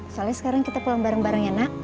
soalnya sekarang kita pulang bareng bareng ya nak